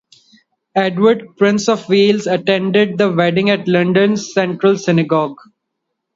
Edward, Prince of Wales attended the wedding at London's Central Synagogue.